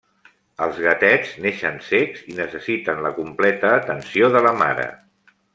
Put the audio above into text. Els gatets neixen cecs i necessiten la completa atenció de la mare.